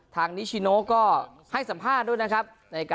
นิชิโนก็ให้สัมภาษณ์ด้วยนะครับ